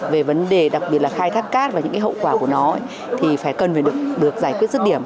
về vấn đề đặc biệt là khai thác cát và những hậu quả của nó thì phải cần phải được giải quyết rứt điểm